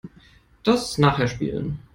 Das nachher spielen.